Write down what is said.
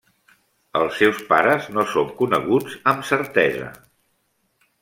Els seus pares no són coneguts amb certesa.